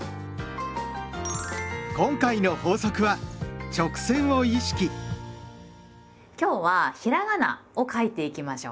今回の法則は今日はひらがなを書いていきましょう。